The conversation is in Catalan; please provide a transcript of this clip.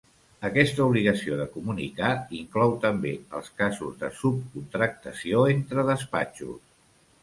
Aquesta obligació de comunicar inclou també els casos de subcontractació entre despatxos.